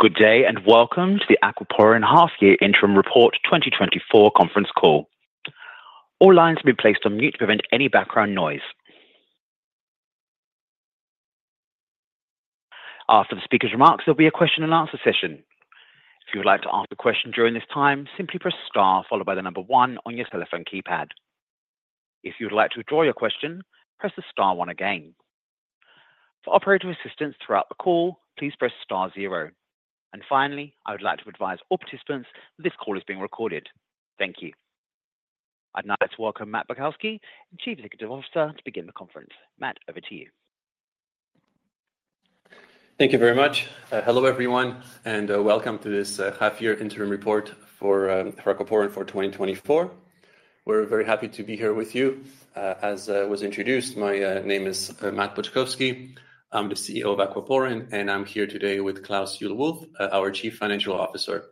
Good day, and welcome to the Aquaporin Half Year Interim Report 2024 Conference Call. All lines have been placed on mute to prevent any background noise. After the speaker's remarks, there'll be a question and answer session. If you would like to ask a question during this time, simply press star followed by the number one on your telephone keypad. If you'd like to withdraw your question, press the star one again. For operator assistance throughout the call, please press star zero. And finally, I would like to advise all participants this call is being recorded. Thank you. I'd now like to welcome Matt Boczkowski, Chief Executive Officer, to begin the conference. Matt, over to you. Thank you very much. Hello, everyone, and welcome to this half-year interim report for Aquaporin for 2024. We're very happy to be here with you. As was introduced, my name is Matt Boczkowski. I'm the CEO of Aquaporin, and I'm here today with Klaus Juhl Wulff, our Chief Financial Officer.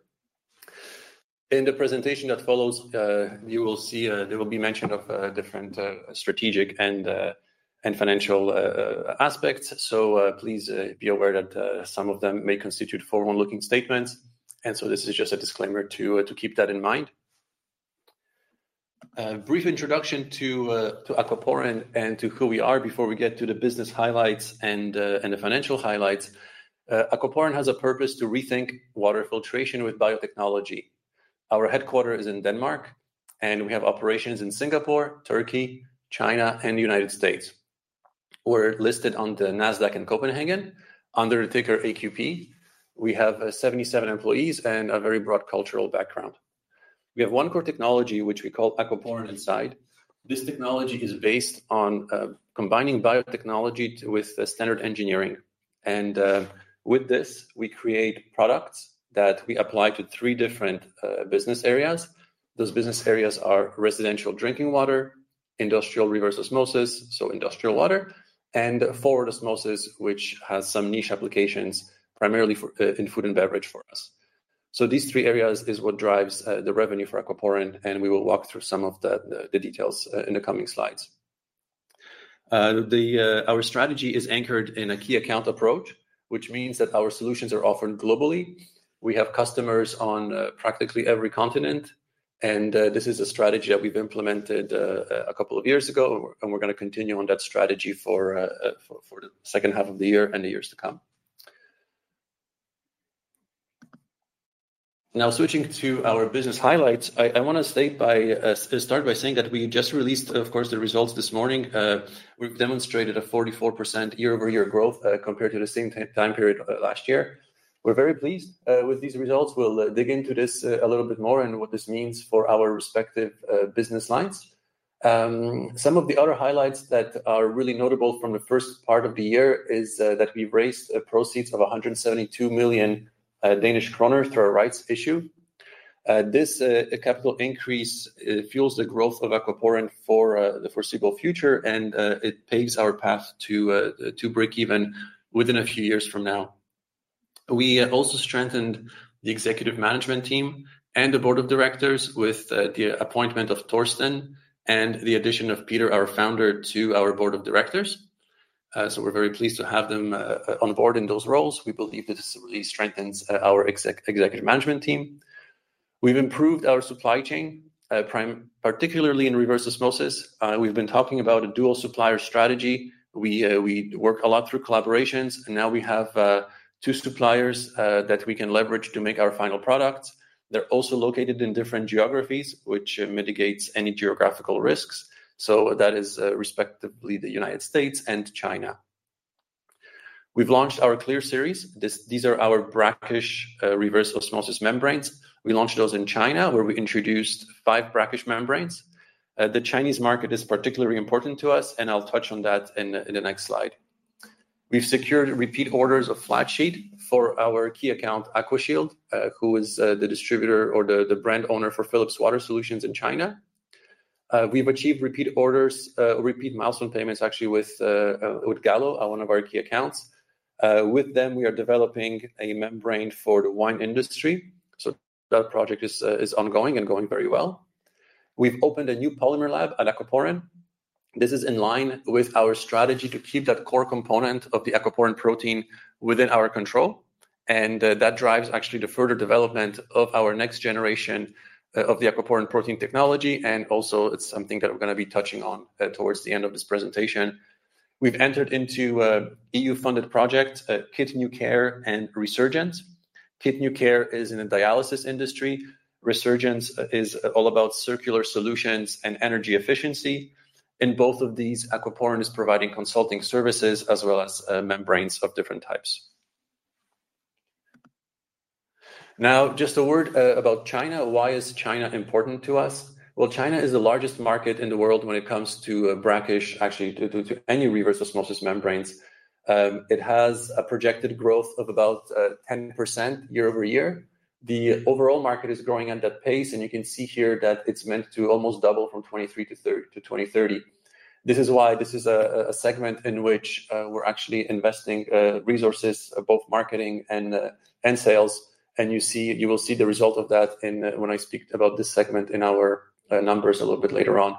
In the presentation that follows, you will see there will be mention of different strategic and financial aspects. So, please be aware that some of them may constitute forward-looking statements, and so this is just a disclaimer to keep that in mind. A brief introduction to Aquaporin and to who we are before we get to the business highlights and the financial highlights. Aquaporin has a purpose to rethink water filtration with biotechnology. Our headquarters is in Denmark, and we have operations in Singapore, Turkey, China, and the United States. We're listed on the Nasdaq and Copenhagen under ticker AQP. We have 77 employees and a very broad cultural background. We have one core technology, which we call Aquaporin Inside. This technology is based on combining biotechnology with standard engineering, and with this, we create products that we apply to three different business areas. Those business areas are residential drinking water, industrial reverse osmosis, so industrial water, and forward osmosis, which has some niche applications, primarily for in food and beverage for us. So these three areas is what drives the revenue for Aquaporin, and we will walk through some of the details in the coming slides. Our strategy is anchored in a key account approach, which means that our solutions are offered globally. We have customers on practically every continent, and this is a strategy that we've implemented a couple of years ago, and we're gonna continue on that strategy for the second half of the year and the years to come. Now, switching to our business highlights, I wanna start by saying that we just released, of course, the results this morning. We've demonstrated a 44% year-over-year growth compared to the same time period last year. We're very pleased with these results. We'll dig into this a little bit more and what this means for our respective business lines. Some of the other highlights that are really notable from the first part of the year is that we raised proceeds of 172 million Danish kroner through our rights issue. This capital increase fuels the growth of Aquaporin for the foreseeable future, and it paves our path to break even within a few years from now. We have also strengthened the executive management team and the board of directors with the appointment of Torsten and the addition of Peter, our founder, to our board of directors. So we're very pleased to have them on board in those roles. We believe this really strengthens our executive management team. We've improved our supply chain, particularly in reverse osmosis. We've been talking about a dual supplier strategy. We work a lot through collaborations, and now we have two suppliers that we can leverage to make our final products. They're also located in different geographies, which mitigates any geographical risks, so that is respectively the United States and China. We've launched our CLEAR Series. These are our brackish reverse osmosis membranes. We launched those in China, where we introduced five brackish membranes. The Chinese market is particularly important to us, and I'll touch on that in the next slide. We've secured repeat orders of flat sheet for our key account, AquaShield, who is the distributor or the brand owner for Philips Water Solutions in China. We've achieved repeat orders, repeat milestone payments, actually, with Gallo, one of our key accounts. With them, we are developing a membrane for the wine industry, so that project is ongoing and going very well. We've opened a new polymer lab at Aquaporin. This is in line with our strategy to keep that core component of the Aquaporin protein within our control, and that drives actually the further development of our next generation of the Aquaporin protein technology, and also it's something that we're gonna be touching on towards the end of this presentation. We've entered into an EU-funded project, KitNewCare and RESURGENCE. KitNewCare is in the dialysis industry. RESURGENCE is all about circular solutions and energy efficiency. In both of these, Aquaporin is providing consulting services as well as membranes of different types. Now, just a word about China. Why is China important to us? China is the largest market in the world when it comes to brackish, actually, due to any reverse osmosis membranes. It has a projected growth of about 10% year over year. The overall market is growing at that pace, and you can see here that it's meant to almost double from 2023 to 2030. This is why this is a segment in which we're actually investing resources both marketing and sales, and you see, you will see the result of that in when I speak about this segment in our numbers a little bit later on.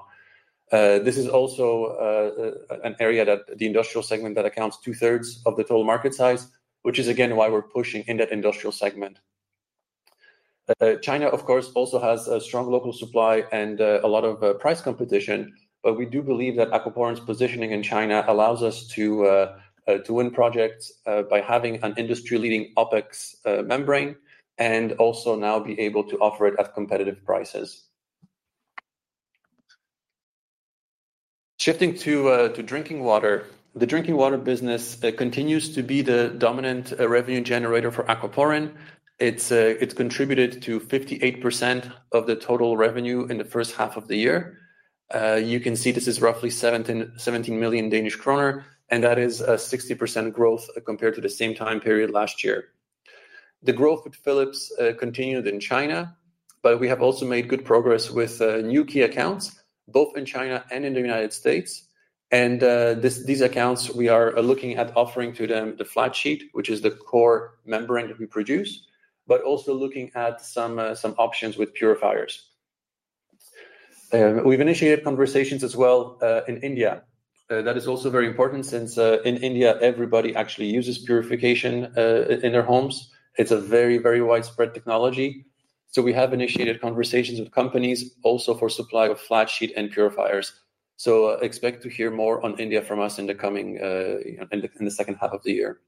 This is also an area that the industrial segment that accounts two-thirds of the total market size, which is again, why we're pushing in that industrial segment. China, of course, also has a strong local supply and a lot of price competition, but we do believe that Aquaporin's positioning in China allows us to win projects by having an industry-leading OpEx membrane, and also now be able to offer it at competitive prices. Shifting to drinking water. The drinking water business continues to be the dominant revenue generator for Aquaporin. It's contributed to 58% of the total revenue in the first half of the year. You can see this is roughly 17 million Danish kroner, and that is a 60% growth compared to the same time period last year. The growth with Philips continued in China, but we have also made good progress with new key accounts, both in China and in the United States. These accounts, we are looking at offering to them the flat sheet, which is the core membrane that we produce, but also looking at some options with purifiers. We've initiated conversations as well in India. That is also very important since in India, everybody actually uses purification in their homes. It's a very, very widespread technology. We have initiated conversations with companies also for supply of flat sheet and purifiers. Expect to hear more on India from us in the coming second half of the year.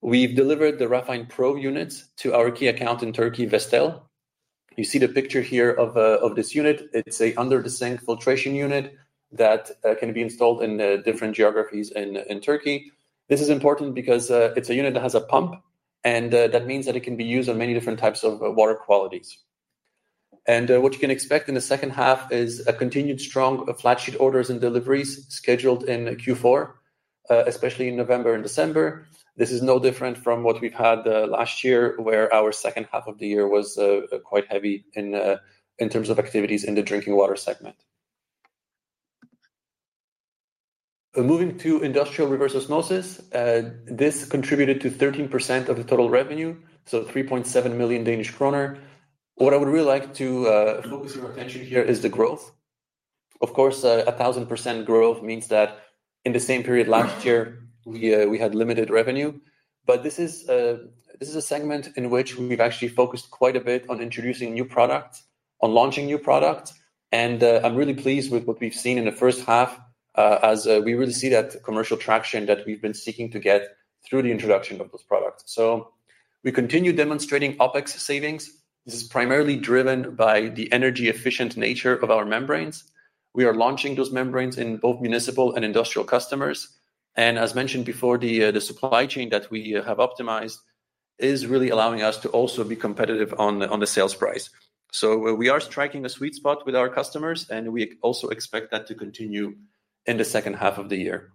We've delivered the Rafine Pro units to our key account in Turkey, Vestel. You see the picture here of this unit. It's an under-the-sink filtration unit that can be installed in different geographies in Turkey. This is important because it's a unit that has a pump, and that means that it can be used on many different types of water qualities. And what you can expect in the second half is a continued strong flat sheet orders and deliveries scheduled in Q4, especially in November and December. This is no different from what we've had last year, where our second half of the year was quite heavy in terms of activities in the drinking water segment. Moving to industrial reverse osmosis, this contributed to 13% of the total revenue, so 3.7 million Danish kroner. What I would really like to focus your attention here is the growth. Of course, 1,000% growth means that in the same period last year, we had limited revenue, but this is a segment in which we've actually focused quite a bit on introducing new products, on launching new products. And, I'm really pleased with what we've seen in the first half, as we really see that commercial traction that we've been seeking to get through the introduction of those products. So we continue demonstrating OpEx savings. This is primarily driven by the energy-efficient nature of our membranes. We are launching those membranes in both municipal and industrial customers, and as mentioned before, the supply chain that we have optimized is really allowing us to also be competitive on the sales price. We are striking a sweet spot with our customers, and we also expect that to continue in the second half of the year.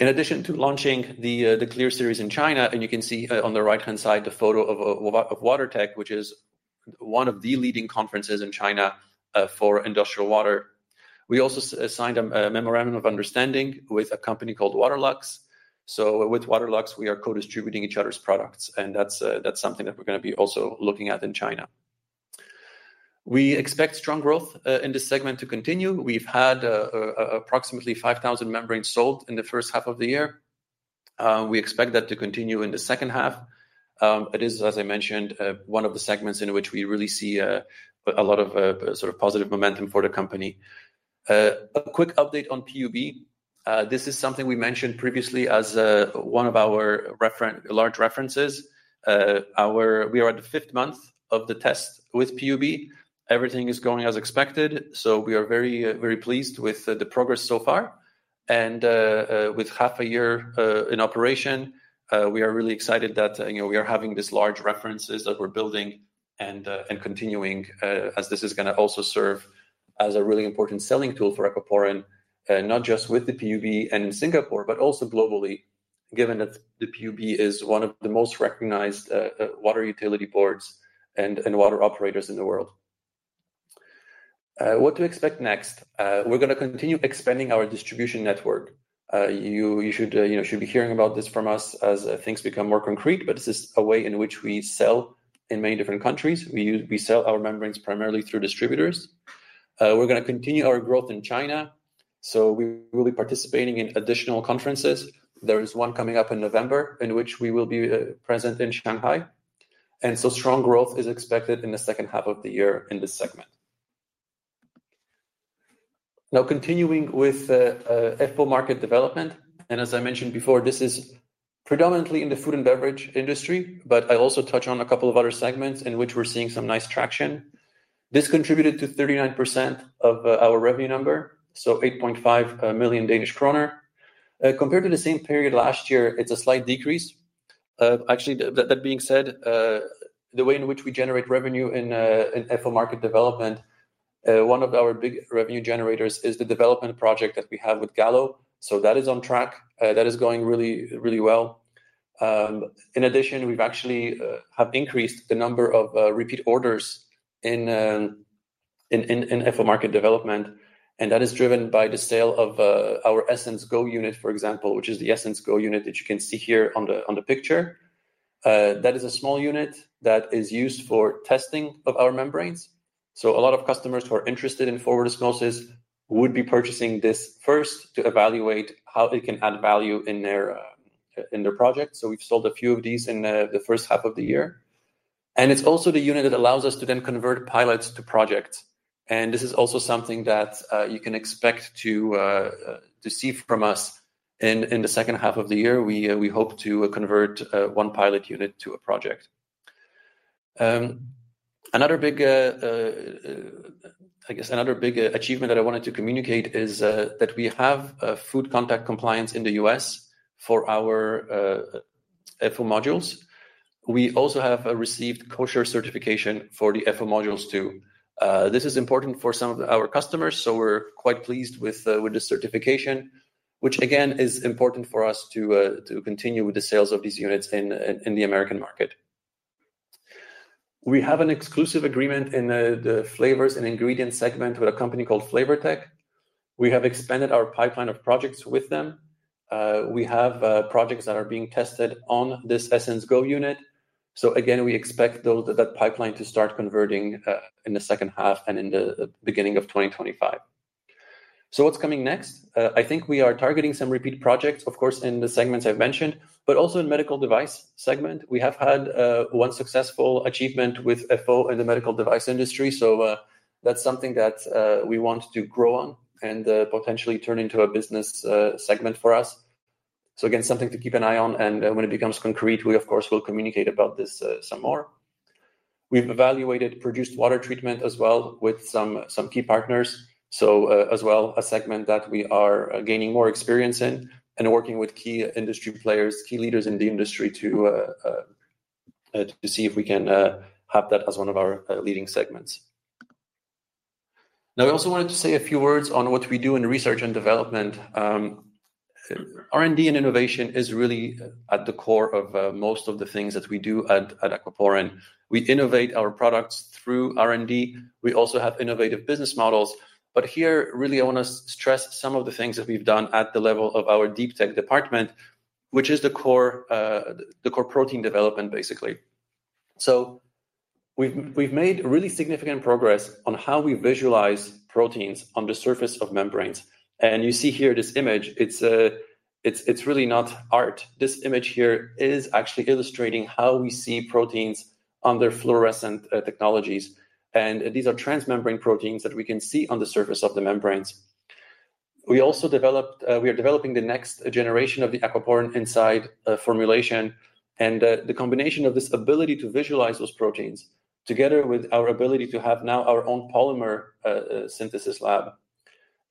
In addition to launching the CLEAR Series in China, and you can see on the right-hand side the photo of WATERTECH, which is one of the leading conferences in China for industrial water. We also signed a memorandum of understanding with a company called Waterlux. With Waterlux, we are co-distributing each other's products, and that's something that we're gonna be also looking at in China. We expect strong growth in this segment to continue. We've had approximately five thousand membranes sold in the first half of the year. We expect that to continue in the second half. It is, as I mentioned, one of the segments in which we really see a lot of sort of positive momentum for the company. A quick update on PUB. This is something we mentioned previously as one of our large references. We are at the fifth month of the test with PUB. Everything is going as expected, so we are very very pleased with the progress so far. With half a year in operation, we are really excited that, you know, we are having this large references that we're building and continuing, as this is gonna also serve as a really important selling tool for Aquaporin, not just with the PUB and in Singapore, but also globally, given that the PUB is one of the most recognized water utility boards and water operators in the world. What to expect next? We're gonna continue expanding our distribution network. You should, you know, be hearing about this from us as things become more concrete, but this is a way in which we sell in many different countries. We sell our membranes primarily through distributors. We're gonna continue our growth in China, so we will be participating in additional conferences. There is one coming up in November, in which we will be present in Shanghai, and so strong growth is expected in the second half of the year in this segment. Now, continuing with FO Market Development, and as I mentioned before, this is predominantly in the food and beverage industry, but I also touch on a couple of other segments in which we're seeing some nice traction. This contributed to 39% of our revenue number, so 8.5 million Danish kroner. Compared to the same period last year, it's a slight decrease. Actually, that being said, the way in which we generate revenue in FO Market Development, one of our big revenue generators is the development project that we have with Gallo. So that is on track. That is going really, really well. In addition, we've actually increased the number of repeat orders in FO Market Development, and that is driven by the sale of our Essence Go unit, for example, which is the Essence Go unit that you can see here on the picture. That is a small unit that is used for testing of our membranes. So a lot of customers who are interested in forward osmosis would be purchasing this first to evaluate how it can add value in their project. So we've sold a few of these in the first half of the year, and it's also the unit that allows us to then convert pilots to projects. And this is also something that you can expect to see from us in the second half of the year. We hope to convert one pilot unit to a project. Another big achievement that I wanted to communicate is that we have a food contact compliance in the U.S. for our FO modules. We also have received kosher certification for the FO modules, too. This is important for some of our customers, so we're quite pleased with the certification, which again, is important for us to continue with the sales of these units in the American market. We have an exclusive agreement in the flavors and ingredients segment with a company called Flavourtech. We have expanded our pipeline of projects with them. We have projects that are being tested on this Essence Go unit. So again, we expect that pipeline to start converting in the second half and in the beginning of twenty twenty-five. So what's coming next? I think we are targeting some repeat projects, of course, in the segments I've mentioned, but also in medical device segment. We have had one successful achievement with FO in the medical device industry. So that's something that we want to grow on and potentially turn into a business segment for us. So again, something to keep an eye on, and when it becomes concrete, we of course will communicate about this some more. We've evaluated produced water treatment as well with some key partners, so as well, a segment that we are gaining more experience in and working with key industry players, key leaders in the industry to see if we can have that as one of our leading segments. Now, I also wanted to say a few words on what we do in research and development. R&D and innovation is really at the core of most of the things that we do at Aquaporin. We innovate our products through R&D. We also have innovative business models, but here, really, I want to stress some of the things that we've done at the level of our deep tech department, which is the core protein development, basically. We've made really significant progress on how we visualize proteins on the surface of membranes. You see here this image. It's really not art. This image here is actually illustrating how we see proteins under fluorescent technologies. These are transmembrane proteins that we can see on the surface of the membranes. We also are developing the next generation of the Aquaporin Inside formulation, and the combination of this ability to visualize those proteins, together with our ability to have now our own polymer synthesis lab,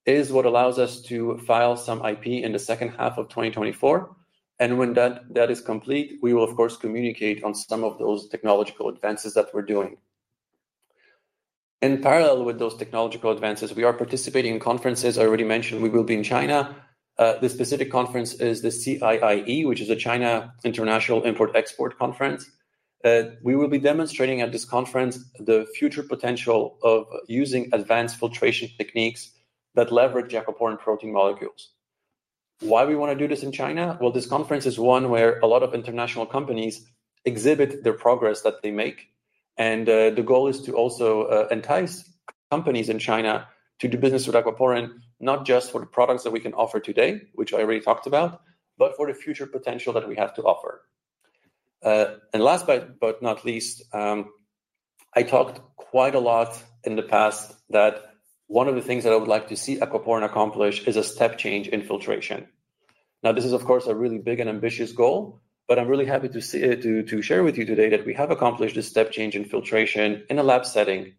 is what allows us to file some IP in the second half of twenty twenty-four. When that is complete, we will of course communicate on some of those technological advances that we're doing. In parallel with those technological advances, we are participating in conferences. I already mentioned, we will be in China. This specific conference is the CIIE, which is a China International Import-Export conference. We will be demonstrating at this conference the future potential of using advanced filtration techniques that leverage Aquaporin protein molecules. Why we wanna do this in China? Well, this conference is one where a lot of international companies exhibit the progress that they make, and the goal is to also entice companies in China to do business with Aquaporin, not just for the products that we can offer today, which I already talked about, but for the future potential that we have to offer. And last, but not least, I talked quite a lot in the past that one of the things that I would like to see Aquaporin accomplish is a step change in filtration. Now, this is, of course, a really big and ambitious goal, but I'm really happy to see to share with you today that we have accomplished a step change in filtration in a lab setting.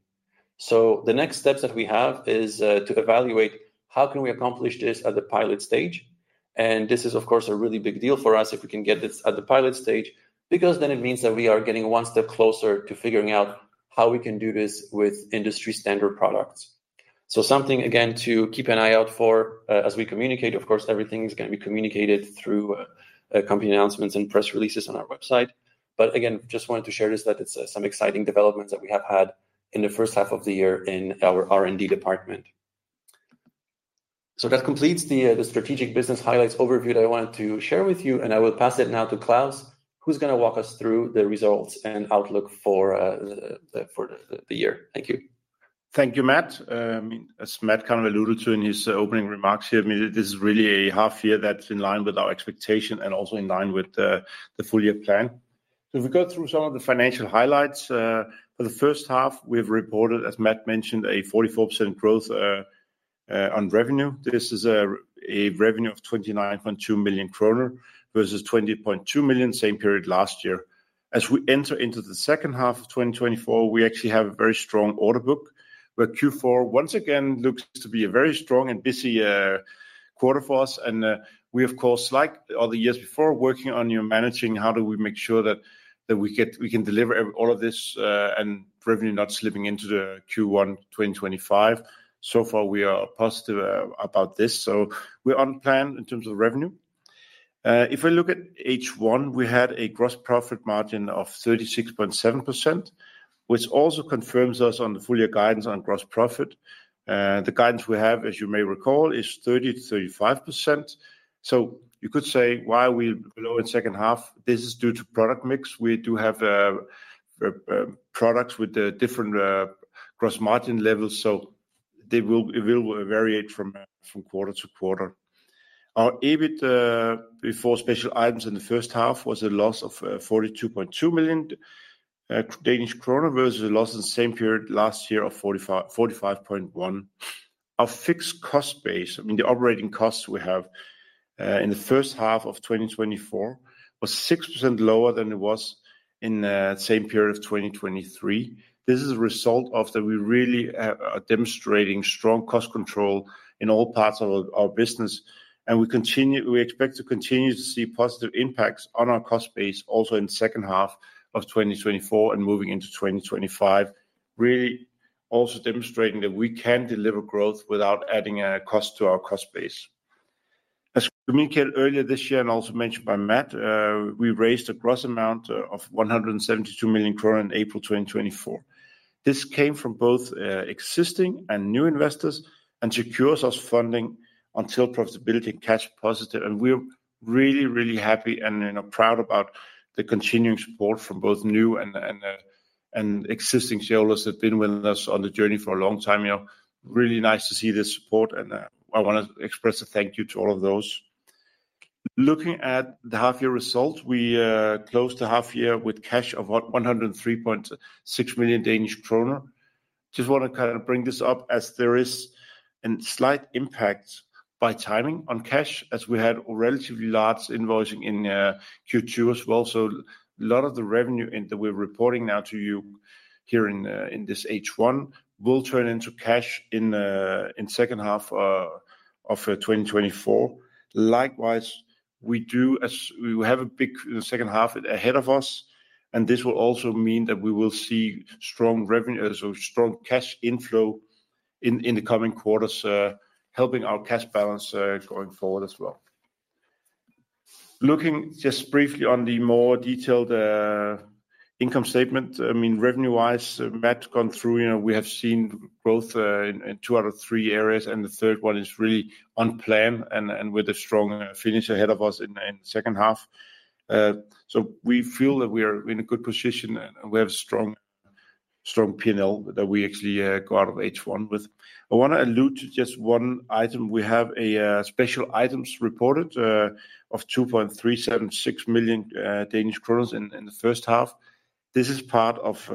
So the next steps that we have is to evaluate how can we accomplish this at the pilot stage. And this is, of course, a really big deal for us if we can get this at the pilot stage, because then it means that we are getting one step closer to figuring out how we can do this with industry-standard products. So something, again, to keep an eye out for as we communicate. Of course, everything is gonna be communicated through company announcements and press releases on our website. But again, just wanted to share this, that it's some exciting developments that we have had in the first half of the year in our R&D department. So that completes the strategic business highlights overview that I wanted to share with you, and I will pass it now to Klaus, who's gonna walk us through the results and outlook for the year. Thank you. Thank you, Matt. As Matt kind of alluded to in his opening remarks here, I mean, this is really a half year that's in line with our expectation and also in line with the, the full year plan. So if we go through some of the financial highlights, for the first half, we've reported, as Matt mentioned, a 44% growth on revenue. This is a revenue of 29.2 million kroner versus 20.2 million, same period last year. As we enter into the second half of 2024, we actually have a very strong order book, but Q4 once again looks to be a very strong and busy quarter for us. We, of course, like all the years before, are working on managing how we make sure that we can deliver all of this, and revenue not slipping into Q1 2025. So far, we are positive about this, so we're on plan in terms of revenue. If we look at H1, we had a gross profit margin of 36.7%, which also confirms us on the full year guidance on gross profit. The guidance we have, as you may recall, is 30%-35%. So you could say, why are we below in second half? This is due to product mix. We do have products with the different gross margin levels, so they will, it will vary from quarter to quarter. Our EBIT before special items in the first half was a loss of 42.2 million Danish krone, versus a loss in the same period last year of 45.1 million. Our fixed cost base, I mean, the operating costs we have, in the first half of 2024, was 6% lower than it was in the same period of 2023. This is a result of that we really have, are demonstrating strong cost control in all parts of our business, and we expect to continue to see positive impacts on our cost base also in the second half of 2024 and moving into 2025. Really also demonstrating that we can deliver growth without adding cost to our cost base. As communicated earlier this year and also mentioned by Matt, we raised a gross amount of 172 million kroner in April 2024. This came from both existing and new investors, and secures us funding until profitability and cash positive, and we're really, really happy and, you know, proud about the continuing support from both new and existing shareholders that have been with us on the journey for a long time. You know, really nice to see this support, and I wanna express a thank you to all of those. Looking at the half year results, we closed the half year with cash of about 103.6 million Danish kroner. Just wanna kind of bring this up as there is a slight impact by timing on cash, as we had a relatively large invoicing in Q2 as well. So a lot of the revenue that we're reporting now to you here in this H1 will turn into cash in second half of 2024 Likewise, we have a big second half ahead of us, and this will also mean that we will see strong revenue, so strong cash inflow in the coming quarters, helping our cash balance going forward as well. Looking just briefly on the more detailed income statement, I mean, revenue-wise, Matt's gone through. You know, we have seen growth in two out of three areas, and the third one is really on plan and with a strong finish ahead of us in the second half. So we feel that we are in a good position, and we have a strong, strong P&L that we actually go out of H1 with. I wanna allude to just one item. We have a special items reported of 2.376 million in the first half. This is part of,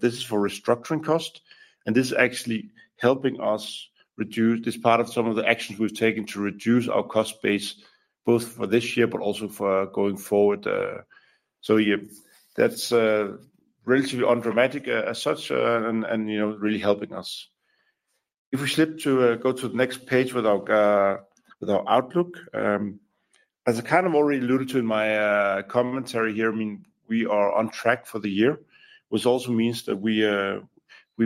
this is for restructuring costs, and this is actually helping us reduce. This is part of some of the actions we've taken to reduce our cost base, both for this year, but also for going forward. So yeah, that's relatively undramatic as such, and you know, really helping us. If we slip to go to the next page with our outlook. As I kind of already alluded to in my commentary here, I mean, we are on track for the year, which also means that we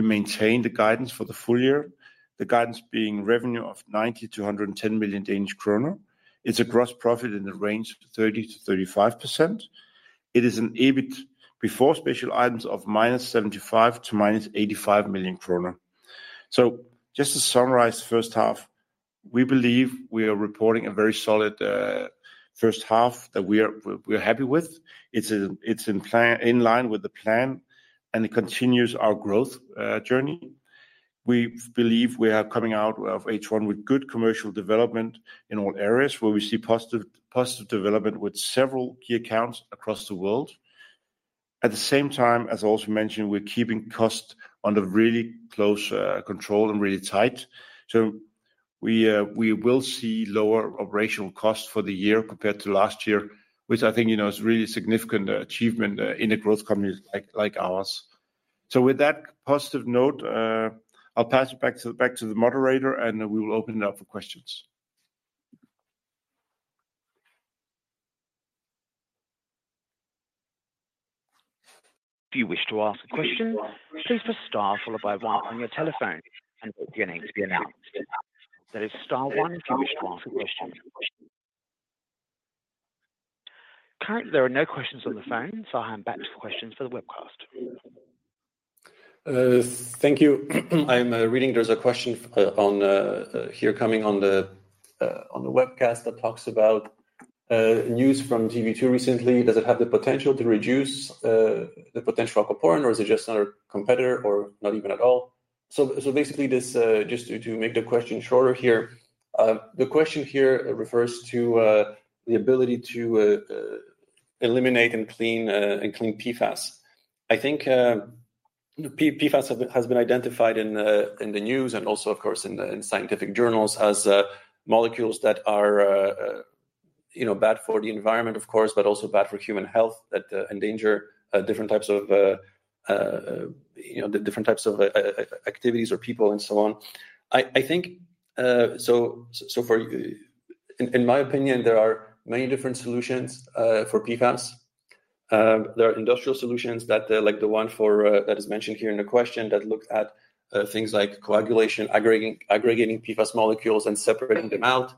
maintain the guidance for the full year. The guidance being revenue of 90 million Danish kroner -110 million Danish kroner. It's a gross profit in the range of 30%-35%. It is an EBIT before special items of -75 million to -85 million kroner. So just to summarize the first half, we believe we are reporting a very solid first half that we are, we're happy with. It's in plan, in line with the plan, and it continues our growth journey. We believe we are coming out of H1 with good commercial development in all areas, where we see positive, positive development with several key accounts across the world. At the same time, as I also mentioned, we're keeping costs under really close control and really tight. So we will see lower operational costs for the year compared to last year, which I think, you know, is a really significant achievement in a growth company like, like ours. So with that positive note, I'll pass it back to the moderator, and we will open it up for questions. If you wish to ask a question, please press star followed by one on your telephone, and your name to be announced. That is star one if you wish to ask a question. Currently, there are no questions on the phone, so I'll hand back to questions for the webcast. Thank you. I'm reading there's a question on here coming on the webcast that talks about news from GB2 recently. Does it have the potential to reduce the potential Aquaporin, or is it just another competitor or not even at all? Basically, this just to make the question shorter here. The question here refers to the ability to eliminate and clean PFAS. I think PFAS has been identified in the news and also of course in scientific journals as molecules that are you know bad for the environment, of course, but also bad for human health. That endanger different types of you know activities or people and so on. I think, so for... in my opinion, there are many different solutions for PFAS. There are industrial solutions that, like the one for that is mentioned here in the question, that look at things like coagulation, aggregating PFAS molecules and separating them out.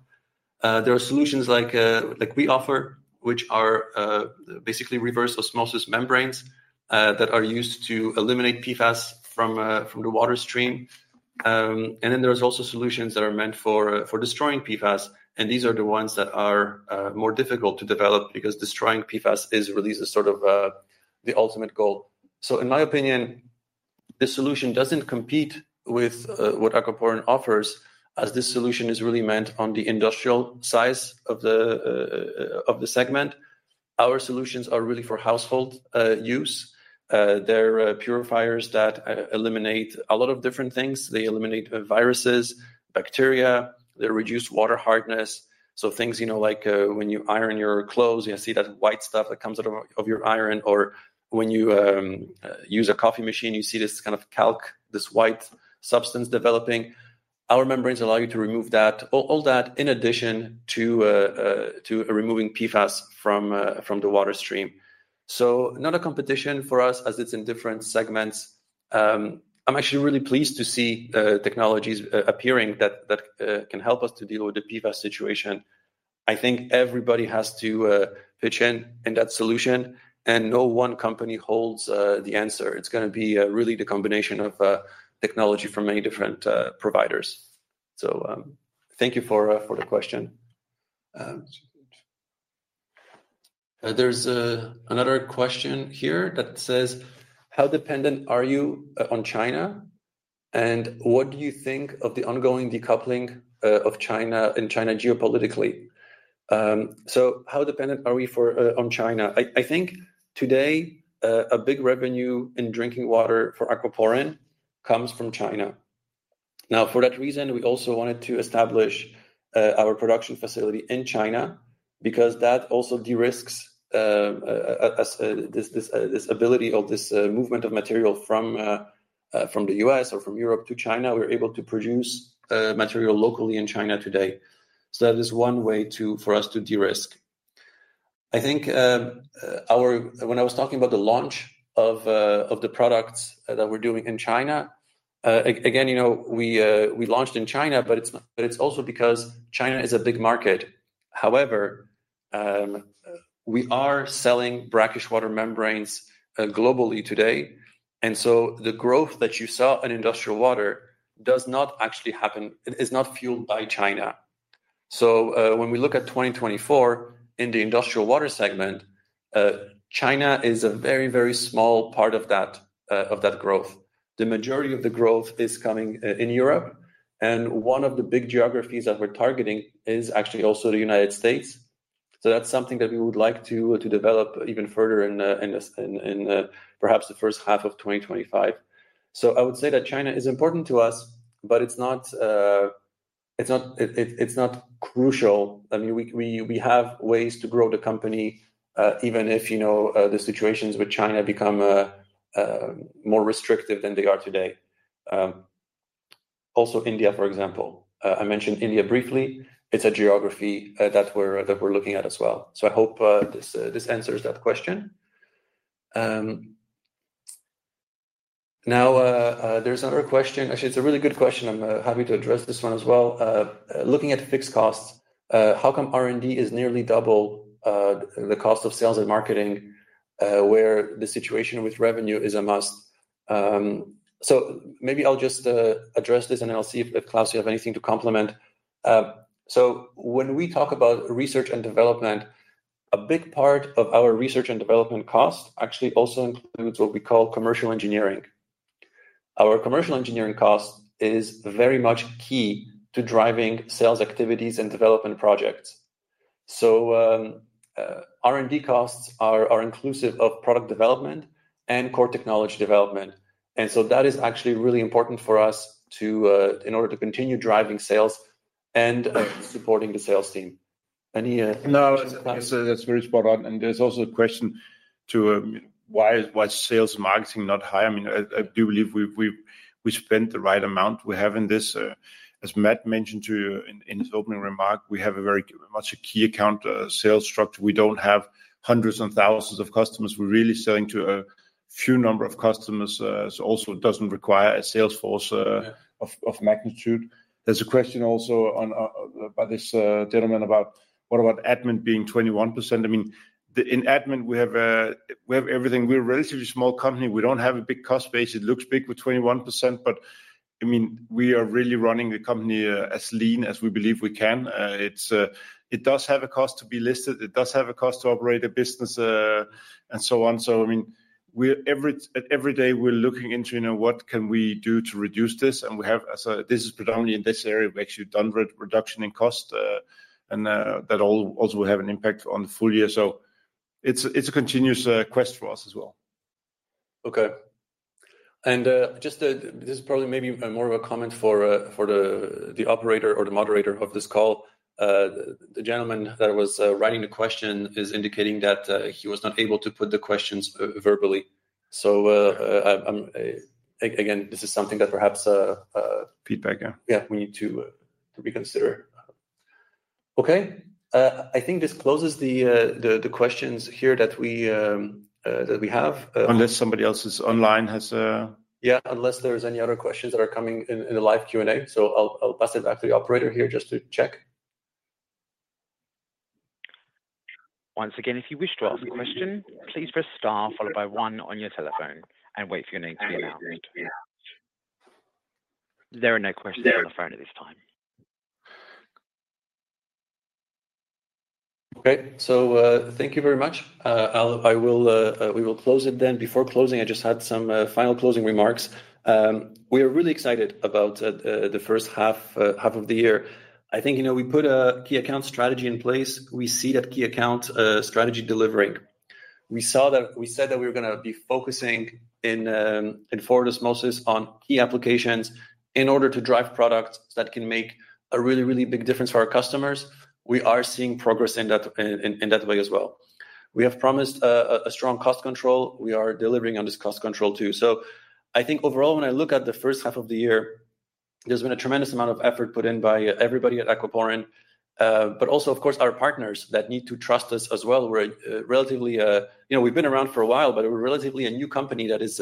There are solutions like, like we offer, which are basically reverse osmosis membranes that are used to eliminate PFAS from the water stream. And then there's also solutions that are meant for destroying PFAS, and these are the ones that are more difficult to develop because destroying PFAS is really a sort of the ultimate goal. So in my opinion, this solution doesn't compete with what Aquaporin offers, as this solution is really meant on the industrial size of the segment. Our solutions are really for household use. They're purifiers that eliminate a lot of different things. They eliminate viruses, bacteria. They reduce water hardness. So things, you know, like, when you iron your clothes, you see that white stuff that comes out of your iron, or when you use a coffee machine, you see this kind of calc, this white substance developing. Our membranes allow you to remove that, all that in addition to removing PFAS from the water stream. So not a competition for us as it's in different segments. I'm actually really pleased to see technologies appearing that can help us to deal with the PFAS situation. I think everybody has to pitch in in that solution, and no one company holds the answer. It's gonna be really the combination of technology from many different providers. So, thank you for the question. There's another question here that says: How dependent are you on China? And what do you think of the ongoing decoupling of China and China geopolitically? So how dependent are we on China? I think today a big revenue in drinking water for Aquaporin comes from China. Now, for that reason, we also wanted to establish our production facility in China because that also de-risks this ability of this movement of material from the U.S. or from Europe to China. We're able to produce material locally in China today. So that is one way for us to de-risk. When I was talking about the launch of the products that we're doing in China, again, you know, we launched in China, but it's also because China is a big market. However, we are selling brackish water membranes globally today, and so the growth that you saw in industrial water does not actually happen, it is not fueled by China. So, when we look at twenty twenty-four in the industrial water segment, China is a very, very small part of that growth. The majority of the growth is coming in Europe, and one of the big geographies that we're targeting is actually also the United States. So that's something that we would like to develop even further in, perhaps the first half of 2025. So I would say that China is important to us, but it's not, it's not crucial. I mean, we have ways to grow the company even if, you know, the situations with China become more restrictive than they are today. Also India, for example, I mentioned India briefly. It's a geography that we're looking at as well. I hope this answers that question. Now there's another question. Actually, it's a really good question. I'm happy to address this one as well. Looking at fixed costs, how come R&D is nearly double the cost of sales and marketing, where the situation with revenue is a must? So maybe I'll just address this, and I'll see if Klaus, you have anything to comment. So when we talk about research and development, a big part of our research and development cost actually also includes what we call commercial engineering. Our commercial engineering cost is very much key to driving sales activities and development projects. So R&D costs are inclusive of product development and core technology development, and so that is actually really important for us in order to continue driving sales and supporting the sales team. Any No, that's, that's very spot on. And there's also a question to why is, why is sales marketing not high? I mean, I do believe we spent the right amount. We have in this, as Matt mentioned to you in his opening remark, we have very much a key account sales structure. We don't have hundreds and thousands of customers. We're really selling to a few number of customers, so also it doesn't require a sales force. Yeah.... of magnitude. There's a question also on, by this, gentleman about what about admin being 21%? I mean, the in admin, we have, we have everything. We're a relatively small company. We don't have a big cost base. It looks big with 21%, but, I mean, we are really running the company, as lean as we believe we can. It's, it does have a cost to be listed, it does have a cost to operate a business, and so on. So I mean, we're every day, we're looking into, you know, what can we do to reduce this? And we have, this is predominantly in this area, we've actually done reduction in cost, and, that all also will have an impact on the full year. So it's a continuous quest for us as well. Okay. And, just to... this is probably maybe more of a comment for the operator or the moderator of this call. The gentleman that was writing the question is indicating that he was not able to put the questions verbally. So, again, this is something that perhaps. Feedback, yeah. Yeah, we need to be considered. Okay, I think this closes the questions here that we have. Unless somebody else is online has, Yeah, unless there's any other questions that are coming in, in the live Q&A. So I'll pass it back to the operator here just to check. Once again, if you wish to ask a question, please press star followed by one on your telephone and wait for your name to be announced. There are no questions on the phone at this time. Okay, so thank you very much. I'll, I will, we will close it then. Before closing, I just had some final closing remarks. We are really excited about the first half of the year. I think, you know, we put a key account strategy in place. We see that key account strategy delivering. We saw that. We said that we were gonna be focusing in forward osmosis on key applications in order to drive products that can make a really, really big difference for our customers. We are seeing progress in that way as well. We have promised a strong cost control. We are delivering on this cost control, too. So I think overall, when I look at the first half of the year, there's been a tremendous amount of effort put in by everybody at Aquaporin, but also, of course, our partners that need to trust us as well. We're relatively, you know, we've been around for a while, but we're relatively a new company that is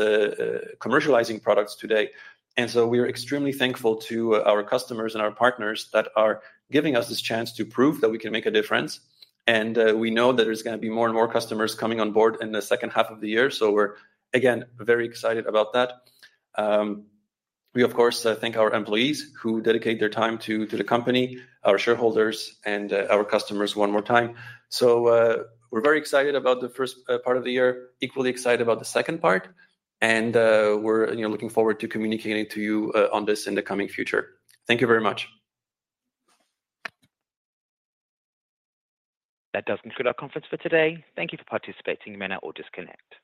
commercializing products today. And we know that there's gonna be more and more customers coming on board in the second half of the year. So we're, again, very excited about that. We, of course, thank our employees who dedicate their time to the company, our shareholders, and our customers one more time. We're very excited about the first part of the year, equally excited about the second part, and we're, you know, looking forward to communicating to you on this in the coming future. Thank you very much. That does conclude our conference for today. Thank you for participating. You may now all disconnect.